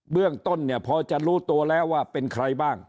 เรื่องต้นเนี่ยพอจะรู้ตัวแล้วว่าเป็นใครบ้าง